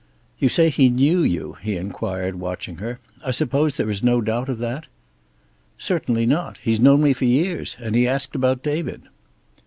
"You say he knew you?" he inquired, watching her. "I suppose there is no doubt of that?" "Certainly not. He's known me for years. And he asked about David."